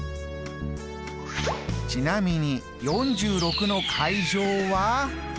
ちなみに４６の階乗は。